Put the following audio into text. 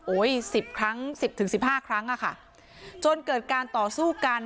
สิบครั้งสิบถึงสิบห้าครั้งอ่ะค่ะจนเกิดการต่อสู้กัน